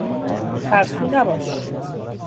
ترسو نباش!